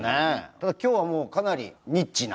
ただ今日はもうかなりニッチな。